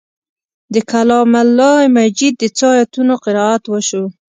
د کلام الله مجید د څو آیتونو قرائت وشو.